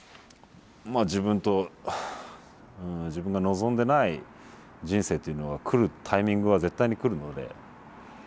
まあ自分が望んでない人生というのが来るタイミングは絶対に来るので。